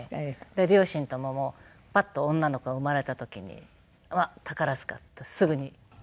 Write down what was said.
で両親とももうパッと女の子が生まれた時にあっ宝塚！ってすぐに思ったらしくて。